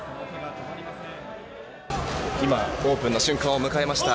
今、オープンの瞬間を迎えました。